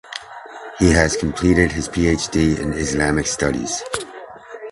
He has completed his PhD in Islamic Studies.